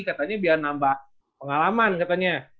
katanya biar nambah pengalaman katanya